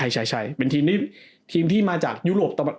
ใช่เป็นทีมที่มาจากยูโลปตะวัน